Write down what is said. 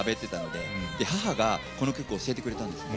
で母がこの曲を教えてくれたんですね。